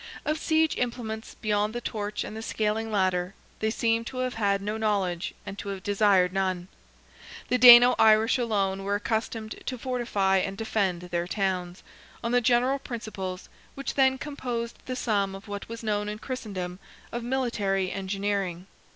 Of siege implements, beyond the torch and the scaling ladder, they seem to have had no knowledge, and to have desired none. The Dano Irish alone were accustomed to fortify and defend their towns, on the general principles, which then composed the sum of what was known in Christendom of military engineering.